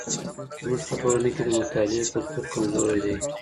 زموږ په ټولنه کي د مطالعې کلتور کمزوری دی.